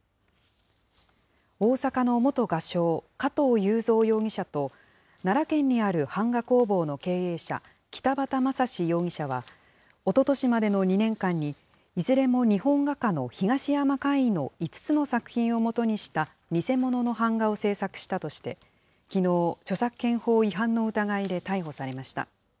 大阪の元画商、加藤雄三容疑者と、奈良県にある版画工房の経営者、北畑雅史容疑者は、おととしまでの２年間に、いずれも日本画家の東山魁夷の５つの作品をもとにした偽物の版画を制作したとして、きのう、著作権法違反の疑いで逮捕されました。